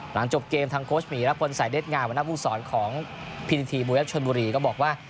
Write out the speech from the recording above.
หลังจบเกมทางโค้ชหมีและคนใส่เดชงานวันนับผู้สอนของพินิธีบุรีและชวนบุรีก็บอกว่า